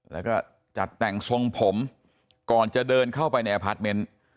แล้วก็จัดแต่งทรงผมก่อนจะเดินเข้าไปในอพาร์ทเมนต์